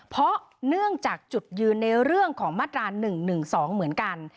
เพราะเนื่องจากจุดยืนในเรื่องของมาตรา๑๑๒เหมือนกัน